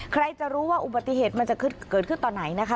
ใครจะรู้ว่าอุบัติเหตุมันจะเกิดขึ้นตอนไหนนะคะ